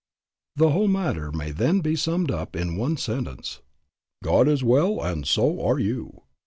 The whole matter may then be summed up in the one sentence, "God is well and so are you."